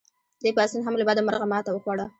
دې پاڅون هم له بده مرغه ماته وخوړه.